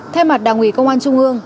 thay mặt đảng ủy công an trung ương